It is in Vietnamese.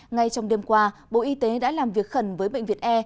ngay trong đêm qua bộ y tế đã làm việc khẩn với bệnh viện e